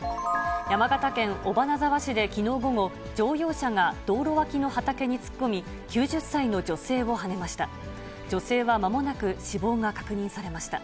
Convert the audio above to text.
山形県尾花沢市できのう午後、乗用車が道路脇の畑に突っ込み、９０歳の女性をはねました。